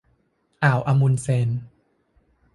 อ่าวอะมุนด์เซน